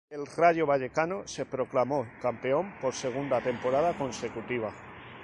El Rayo Vallecano se proclamó campeón por segunda temporada consecutiva.